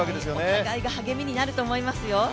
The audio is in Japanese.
お互いが励みになると思いましよ。